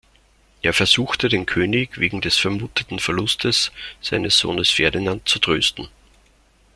Er versuchte den König wegen des vermuteten Verlustes seines Sohnes Ferdinand zu trösten.